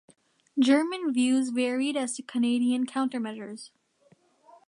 German views varied as to Canadian countermeasures.